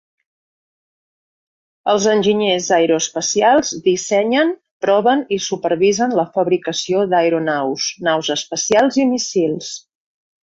Els enginyers aeroespacials dissenyen, proven i supervisen la fabricació d'aeronaus, naus espacials i míssils.